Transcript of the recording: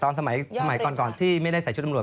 สมัยก่อนที่ไม่ได้ใส่ชุดตำรวจ